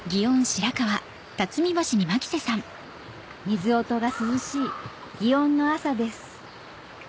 水音が涼しい園の朝です